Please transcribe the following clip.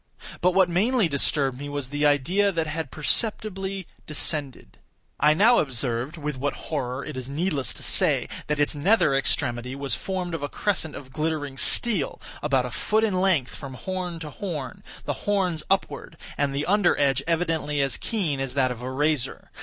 But what mainly disturbed me was the idea that had perceptibly descended. I now observed—with what horror it is needless to say—that its nether extremity was formed of a crescent of glittering steel, about a foot in length from horn to horn; the horns upward, and the under edge evidently as keen as that of a razor.